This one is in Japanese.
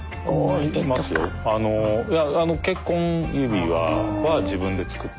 いや結婚指輪は自分で作って。